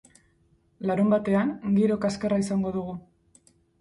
Larunbatean, giro kaskarra izango dugu.